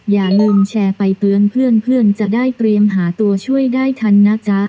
อย่าลืมแชร์ไปเตือนเพื่อนจะได้เตรียมหาตัวช่วยได้ทันนะจ๊ะ